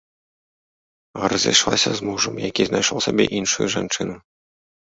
Разышлася з мужам, які знайшоў сабе іншую жанчыну.